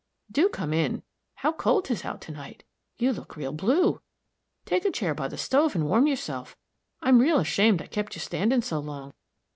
Do come in. How cold 'tis out to night. You look real blue. Take a chair by the stove and warm yourself. I'm real ashamed I kept you standing so long.